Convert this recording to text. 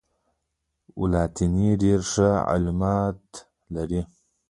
ولانتیني ډېر ښه عملیات کړي و.